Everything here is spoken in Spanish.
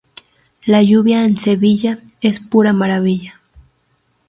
La lluvia en Sevilla es una pura maravilla